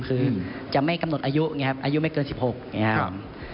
คือจะไม่กำหนดอายุอายุไม่เกิน๑๖นะครับ